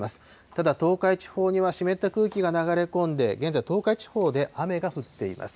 ただ東海地方には、湿った空気が流れ込んで、現在、東海地方で雨が降っています。